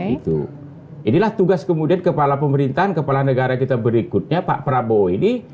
itu inilah tugas kemudian kepala pemerintahan kepala negara kita berikutnya pak prabowo ini